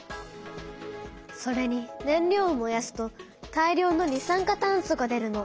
それに燃料を燃やすと大量の二酸化炭素が出るの。